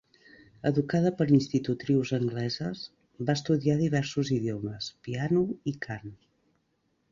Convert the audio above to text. Educada per institutrius angleses, va estudiar diversos idiomes, piano i cant.